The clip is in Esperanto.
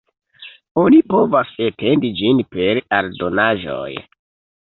Oni povas etendi ĝin per aldonaĵoj.